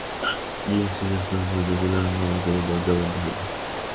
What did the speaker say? মিয়া cigarette ধরাতে-ধরাতে বললেন, আমার বাথরুমের দরজাও বন্ধ হয়নি।